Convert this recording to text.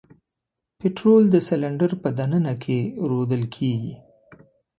پطرول د سلنډر په د ننه کې رودل کیږي.